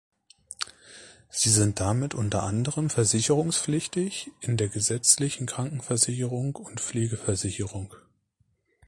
Sie sind damit unter anderem versicherungspflichtig in der gesetzlichen Krankenversicherung und Pflegeversicherung.